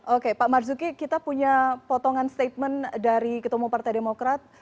oke pak marzuki kita punya potongan statement dari ketemu partai demokrat